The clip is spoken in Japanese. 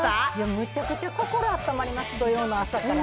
むちゃくちゃ心あったまります、土曜の朝から。